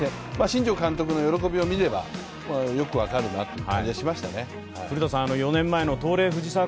新庄監督の喜びを見れば、よく分かるなという感じがしましたね。